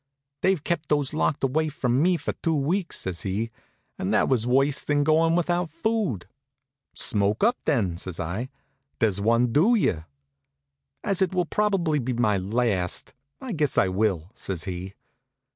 "They've kept those locked away from me for two weeks," says he, "and that was worse than going without food." "Smoke up, then," says I. "There's one due you." "As it will probably be my last, I guess I will," says he.